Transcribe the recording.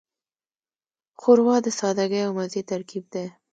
ښوروا د سادګۍ او مزې ترکیب دی.